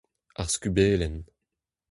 Ar skubellenn.